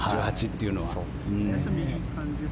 １８というのは。